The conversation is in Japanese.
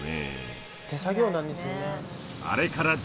手作業なんですよね。